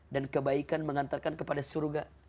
dan kebaikan mengantarkan kepada surga